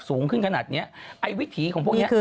สูงขึ้นขนาดนี้ไอ้วิถีของพวกนี้